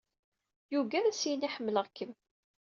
Yuggad ad as-yini ḥemleɣ-kem.